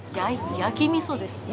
焼きみそです。